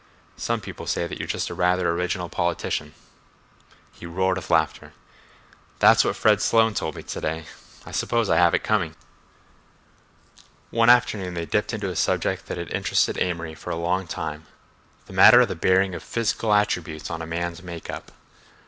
"Some people say that you're just a rather original politician." He roared with laughter. "That's what Fred Sloane told me to day. I suppose I have it coming." One afternoon they dipped into a subject that had interested Amory for a long time—the matter of the bearing of physical attributes on a man's make up.